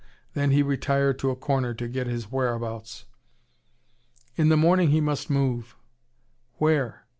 Then he retired to a corner to get his whereabouts. In the morning he must move: where?